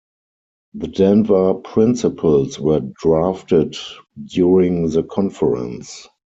The Denver Principles were drafted during the conference.